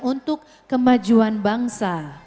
untuk kemajuan bangsa